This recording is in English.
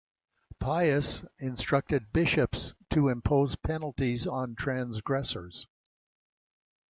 Pius instructed bishops to impose penalties on transgressors.